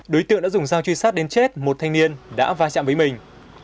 đối tượng đã dùng giao truy sát đến chết một thanh niên đã vai trạm với mình